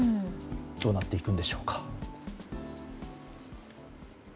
どうなっていくんでしょうか。